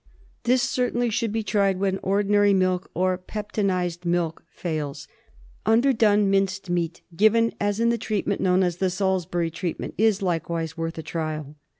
This certainly should be tried when ordinary milk or peptonised milk fails. Underdone minced meat, given as in the treatment known as the Salisbury treatment, is likewise worth a trial.